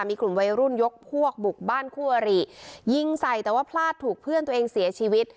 มีกลุ่มวัยรุ่นยกพวกบุกบ้านคู่อริยิงใส่แต่ว่าพลาดถูกเพื่อนตัวเองเสียชีวิต